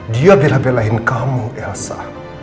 dia bela belain kamu elsa